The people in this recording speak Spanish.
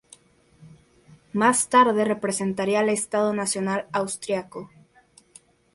Más tarde representaría al Estado nacional austriaco.